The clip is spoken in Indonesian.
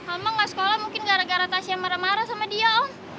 emang gak sekolah mungkin gara gara tasya marah marah sama dia om